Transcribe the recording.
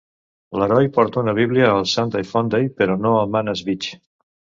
L'heroi porta una Bíblia al "Sunday Funday", però no al "Menace Beach".